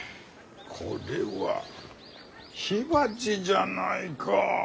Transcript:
これは火鉢じゃないか。